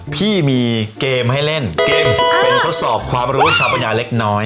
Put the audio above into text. พี่มีเกมให้เล่นเกมเป็นทดสอบความรู้สถาปัญญาเล็กน้อย